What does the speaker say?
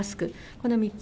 この３つ。